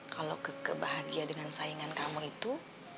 kalau keke bahagia dengan saingan kamu itu